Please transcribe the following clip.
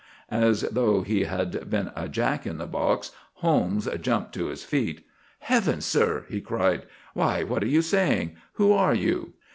As though he had been a jack in the box, Holmes jumped to his feet. "Heavens, Sir!" he cried, "why, what are you saying! Who are you?"